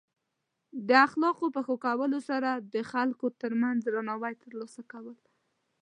د اخلاقو په ښه کولو سره د خلکو ترمنځ درناوی ترلاسه کول.